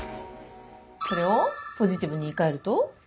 これをポジティブに言いかえると？